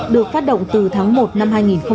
được phát động từ tháng một năm hai nghìn một mươi chín